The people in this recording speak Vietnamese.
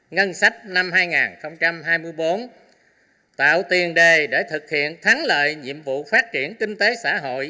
ngân sách năm hai nghìn hai mươi bốn tạo tiền đề để thực hiện thắng lợi nhiệm vụ phát triển kinh tế xã hội